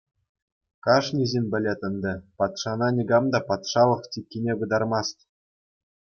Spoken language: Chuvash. Кашни ҫын пӗлет ӗнтӗ, патшана никам та патшалӑх чиккине пытармасть.